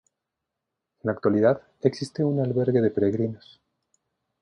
En la actualidad, existe un albergue de peregrinos.